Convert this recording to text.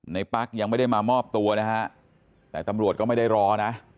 ปั๊กยังไม่ได้มามอบตัวนะฮะแต่ตำรวจก็ไม่ได้รอนะ